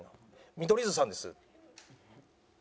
「見取り図さんです」。